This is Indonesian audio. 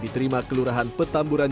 diterima kelurahan petamburan